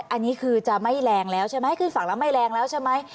อันนี้คือจะไม่แรงแล้วใช่ไหมขึ้นฝั่งแล้วไม่แรงแล้วใช่ไหม